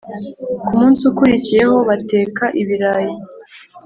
Ku munsi ukurikiyeho bateka ibirayi